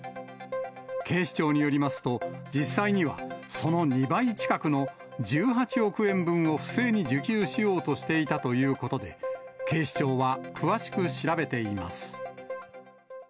警視庁によりますと、実際には、その２倍近くの１８億円分を不正に受給しようとしていたということで、警視庁は詳しく調べています。